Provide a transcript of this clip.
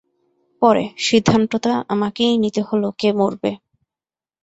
পরে, সিদ্ধান্তটা আমাকেই নিতে হলো কে মরবে।